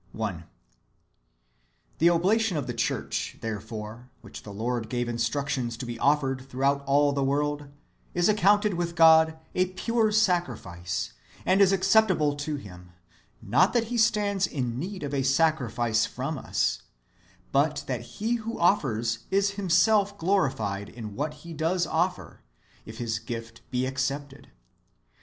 1. The oblation of the church, therefore, which the Lord gave instructions to be offered throughout all the world, is accounted with God a pure sacrifice, and is acceptable to Him ; not that He stands in need of a sacrifice from us, but that he who offers is himself glorified in what he does offer, if his gift be accepted.